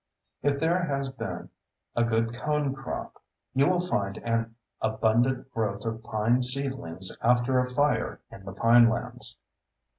If there has been a good cone crop, you will find an abundant growth of pine seedlings after a fire in the pinelands.